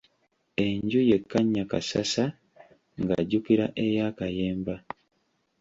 Enju ye Kannyakassasa ng'ajjukira eya Kayemba.